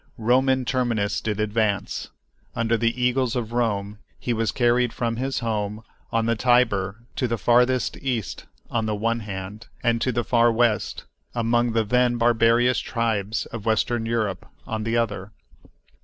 Roman Terminus did advance. Under the eagles of Rome he was carried from his home on the Tiber to the farthest East on the one hand, and to the far West, among the then barbarious tribes of western Europe, on the other.